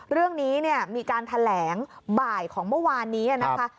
เรื่องนี้เนี่ยมีการแถลงบ่ายของเมื่อวานนี้นะคะ